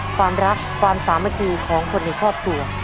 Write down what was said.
ความรักความสามัคคีของคนในครอบครัว